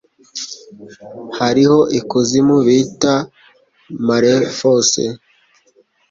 Hariho ikuzimu bita Malefosse